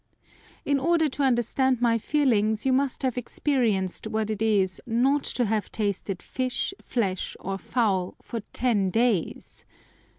In order to understand my feelings you must have experienced what it is not to have tasted fish, flesh, or fowl, for ten days!